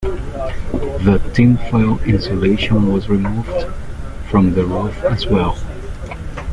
The "tin foil" insulation was removed from the roof as well.